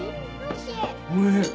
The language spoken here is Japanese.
おいしい。